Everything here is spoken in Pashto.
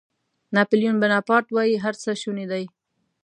ناپیلیون بناپارټ وایي هر څه شوني دي.